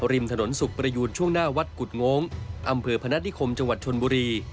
ริมถนนสุขประยูนช่วงหน้าวัดกุฎโง้งอำเภอพนัฐนิคมจังหวัดชนบุรี